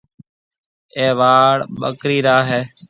اَي واڙ ٻڪريِ را هيَ۔